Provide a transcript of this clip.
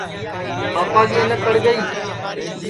ٻاپا کی اَینک کڑ گئی